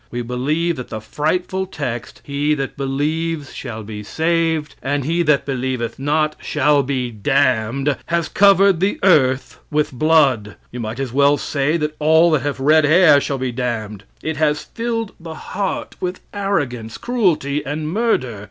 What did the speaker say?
We believe that the frightful text, "He that believes shall be saved, and he that believeth not shall be damned," has covered the earth with blood. You might as well say that all that have red hair shall be damned. It has filled the heart with arrogance, cruelty, and murder.